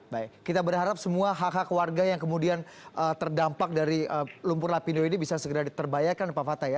baik kita berharap semua hak hak warga yang kemudian terdampak dari lumpur lapindo ini bisa segera diterbayarkan pak fatah ya